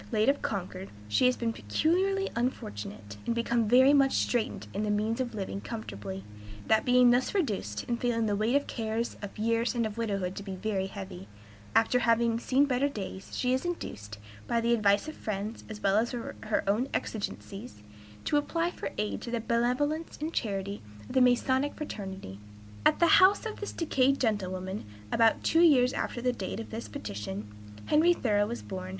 late of Concord, she has been peculiarly unfortunate, and become very much straitened in the means of living comfortably; that being thus reduced, and feeling the weight of cares, of years, and of widowhood to be very heavy, after having seen better days, she is induced, by the advice of friends, as well as her own exigencies, to apply for aid to the benevolence and charity of the Masonic fraternity." At the house of this decayed gentlewoman, about two years after the date of this petition, Henry Thoreau was born.